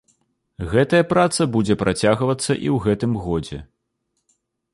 Гэтая праца будзе працягвацца і ў гэтым годзе.